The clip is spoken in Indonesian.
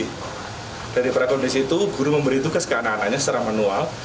dari prakondisi itu guru memberi tugas ke anak anaknya secara manual